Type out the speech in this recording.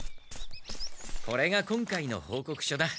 これが今回の報告書だ。